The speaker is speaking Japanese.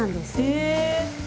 へえ！